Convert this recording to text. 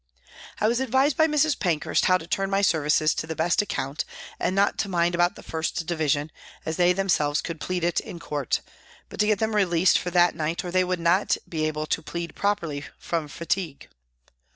I was advised by Mrs. Pankhurst how to turn my services to the best account and not to mind about the 1st Division, as they themselves could plead it in court, but to get them released for that night or they would not be able to plead properly, from fatigue.